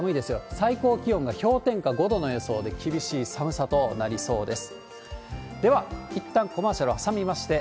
最高気温が氷点下５度の予想で、厳しい寒さとなりそうです。